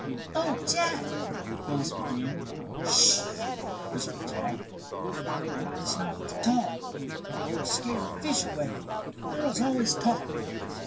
"Oh, Jack " Phyllis began. "Sh h h h!" whispered Jack. "You promised not to talk. You'll scare the fish away. Girls always talk."